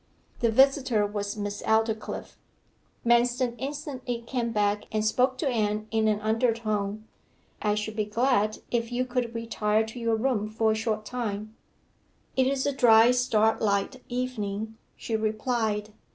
The visitor was Miss Aldclyffe. Manston instantly came back and spoke to Anne in an undertone. 'I should be glad if you could retire to your room for a short time.' 'It is a dry, starlight evening,' she replied.